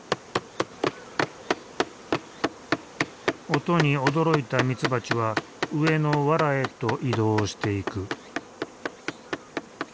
音に驚いたミツバチは上のわらへと移動していく。